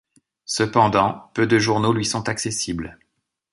Cependant, peu de journaux lui sont accessibles.